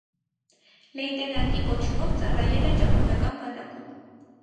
Լեյտենանտի կոչումով ծառայել է ճապոնական բանակում։